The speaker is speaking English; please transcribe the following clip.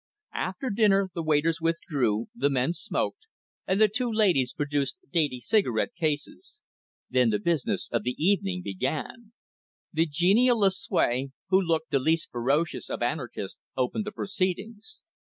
After dinner, the waiters withdrew, the men smoked, and the two ladies produced dainty cigarette cases. Then the business of the evening began. The genial Lucue, who looked the least ferocious of anarchists, opened the proceedings.